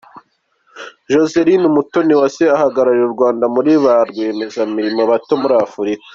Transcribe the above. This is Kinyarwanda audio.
Joselyne Umutoniwase ahagarariye u Rwanda muri ba rwiyemezamirimo bato muri Afurika:.